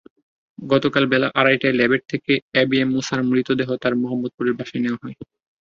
গতকাল বেলা আড়াইটায় ল্যাবএইড থেকে এবিএম মূসার মৃতদেহ তাঁর মোহাম্মদপুরের বাসায় নেওয়া হয়।